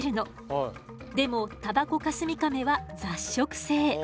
でもタバコカスミカメは雑食性。